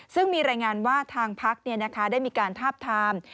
ซึ่งมีรายงานว่าทางพักได้มีการทาบทาม